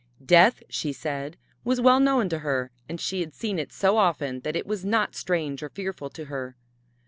Death, she said, was well known to her, and she had seen it so often that it was not strange or fearful to her.